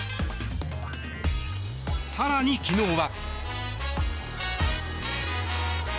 更に、昨日は。